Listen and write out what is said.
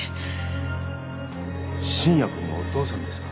信也君のお父さんですか？